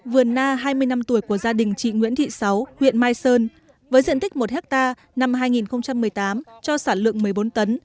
vườn na hai mươi năm tuổi của gia đình chị nguyễn thị sáu huyện mai sơn với diện tích một hectare năm hai nghìn một mươi tám cho sản lượng một mươi bốn tấn